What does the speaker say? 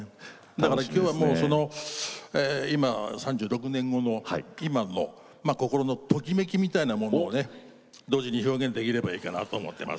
だから今日は今、３６年後の今の心のときめきみたいなものを同時に表現できればいいかなと思っています。